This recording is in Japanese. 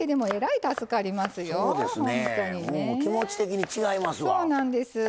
気持ち的に違いますわ。